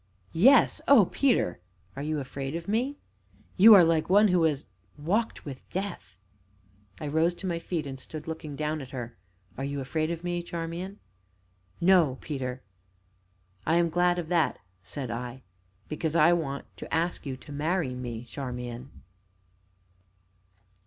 "Yes oh, Peter!" "Are you afraid of me?" "You are like one who has walked with death!" I rose to my feet, and stood looking down at her. "Are you afraid of me, Charmian?" "No, Peter." "I am glad of that," said I, "because I want to ask you to marry me, Charmian."